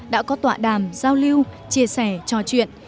đã có tọa đàm giao lưu chia sẻ trò chuyện